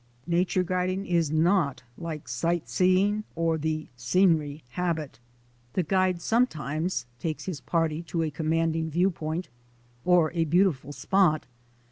Nature guiding is not like sight seeing or the scenery habit. The guide sometimes takes his party to a commanding viewpoint or a beautiful spot.